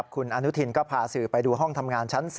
คุณอนุทินก็พาสื่อไปดูห้องทำงานชั้น๔